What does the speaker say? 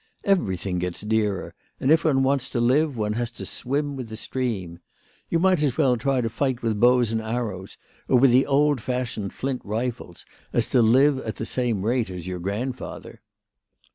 Everything gets dearer ; and if one wants to live one has to swim with the stream. You might as well try to fight with bows and arrows, or with the old fashioned flint rifles, as to live at the same rate as your grandfather."